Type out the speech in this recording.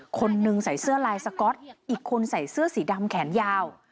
คนนึงใส่เสื้อลายสก๊อตอีกคนใส่เสื้อสีดำแขนยาว